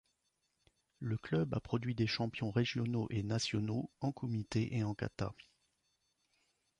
Le club a produit des champions régionaux et nationaux en kumité et en kata.